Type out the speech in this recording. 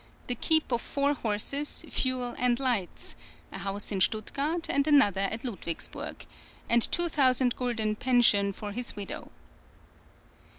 the keep of four horses, fuel and lights, a house in Stuttgart and another at Ludwigsburg, and 2,000 fl. pension for his widow.